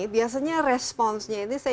biasanya responnya itu